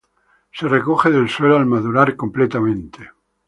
Se recoge del suelo al madurar completamente.